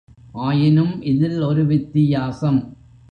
ஆயினும் இதில் ஒரு வித்தியாசம்.